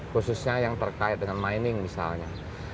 khususnya yang terkait dengan mining misalnya